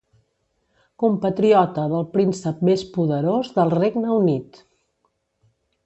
Compatriota del príncep més poderós del Regne Unit.